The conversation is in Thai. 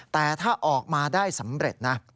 แต่ถ้าออกมาได้สำเร็จนะ